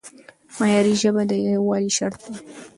معیاري ژبه د یووالي شرط دی.